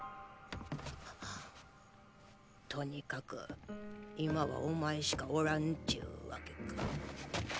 とにかく今はお前しかおらんちゅうわけか。